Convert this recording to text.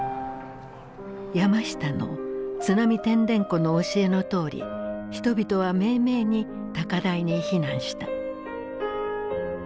山下の「津波てんでんこ」の教えのとおり人々はめいめいに高台に避難した。